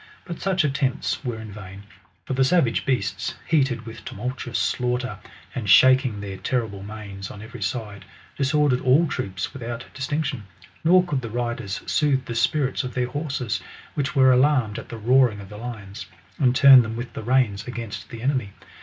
But such attempts were in vain ; for the savage beasts, heated with tumultuous slaughter, and shaking their terrible manes on every side, disordcared €Ul troops without distinction. Nor could the riders soothe the spirits of their horses, which were alarmed at the roaring of the lions, and turn them with the reins against the enemy.